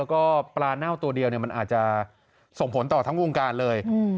แล้วก็ปลาเน่าตัวเดียวมันอาจจะส่งผลต่อทั้งวงการเลย